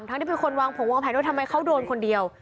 ที่เป็นคนวางผงวางแผนด้วยทำไมเขาโดนคนเดียว